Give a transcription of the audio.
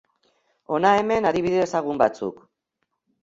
Hona hemen adibide ezagun batzuk.